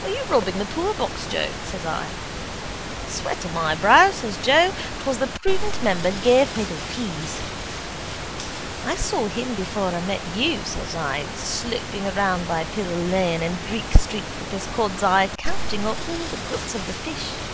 —Were you robbing the poorbox, Joe? says I. —Sweat of my brow, says Joe. 'Twas the prudent member gave me the wheeze. —I saw him before I met you, says I, sloping around by Pill lane and Greek street with his cod's eye counting up all the guts of the fish.